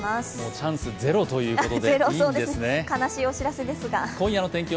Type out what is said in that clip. チャンスゼロということで。